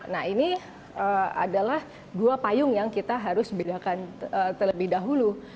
nah ini adalah dua payung yang kita harus bedakan terlebih dahulu